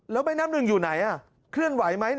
แล้วแม่น้ำหนึ่งอยู่ไหนคุณไขมั้ย